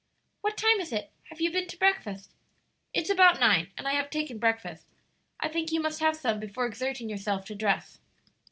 "What time is it? Have you been to breakfast?" "It's about nine, and I have taken breakfast. I think you must have some before exerting yourself to dress."